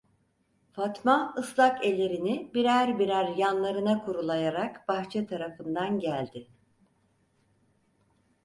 Fatma ıslak ellerini birer birer yanlarına kurulayarak bahçe tarafından geldi.